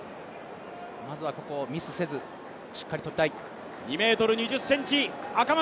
まずはここをミスせず、しっかりとりたい。